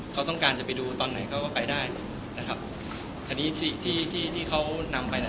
เขาต้องการจะไปดูตอนไหนเขาก็ไปได้นะครับอันนี้สิ่งที่ที่ที่เขานำไปน่ะ